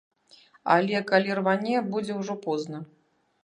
Але калі рване, будзе ўжо позна.